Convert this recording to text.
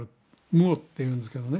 ムオっていうんですけどね。